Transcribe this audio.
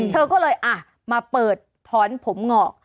เธอก็เลยมาเปิดถอนผมงอก